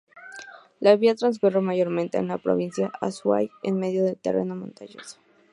La vía transcurre mayormente en la provincia de Azuay, en medio del terreno montañoso.